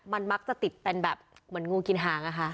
มันมักจะติดเป็นแบบเหมือนงูกินหางอะค่ะ